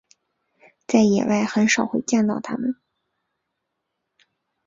在野外很少会见到它们。